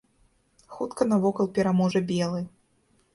Хутка навокал пераможа белы.